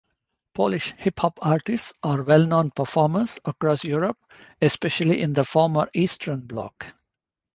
Polish hip-hop artists are well-known performers across Europe, especially in the former Eastern Bloc.